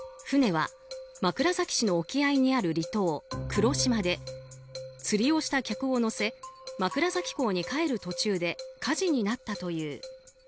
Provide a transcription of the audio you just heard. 船は枕崎市の沖合にある離島黒島で釣りをした客を乗せ枕崎港に帰る途中で火事になったという。